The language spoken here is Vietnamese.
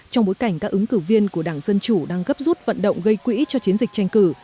trong bối cảnh các ứng cử viên của đảng dân chủ đang gấp rút vận động gây quỹ cho chiến dịch tranh cử